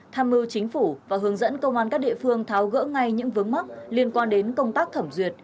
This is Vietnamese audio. tham mưu chính phủ và hướng dẫn công an các địa phương tháo gỡ ngay những vướng mắc liên quan đến công tác thẩm duyệt